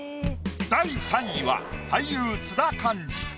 第３位は俳優津田寛治。